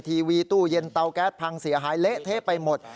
ทีวีตู้เย็นเตาแก๊สพังเสียหายเละเทะไปหมด